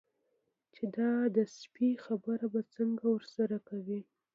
چې دا د سپي خبره به څنګه ورسره کوي.